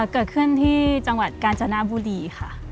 เกิดขึ้นที่จังหวัดกาญจนบุรีค่ะ